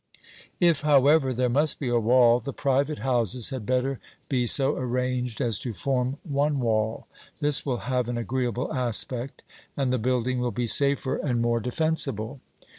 If, however, there must be a wall, the private houses had better be so arranged as to form one wall; this will have an agreeable aspect, and the building will be safer and more defensible.